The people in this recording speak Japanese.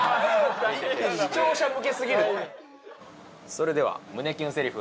それでは胸キュンセリフ